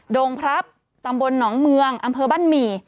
งพรับตำบลหนองเมืองอำเภอบ้านหมี่